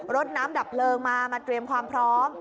รถน้ำดับเพลิงมามาเตรียมความพร้อม